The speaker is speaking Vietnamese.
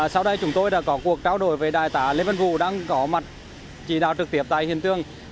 sau đây chúng tôi đã có cuộc trao đổi với đại tả lê vân vũ đang có mặt chỉ đạo trực tiếp tại hiện tượng